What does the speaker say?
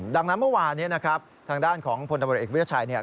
ดังนั้นเมื่อวานี้ทางด้านของพลตำรวจเอกวิทยาชัย